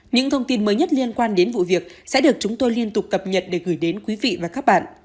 những thông tin mới nhất liên quan đến vụ việc sẽ được chúng tôi liên tục cập nhật để gửi đến quý vị và các bạn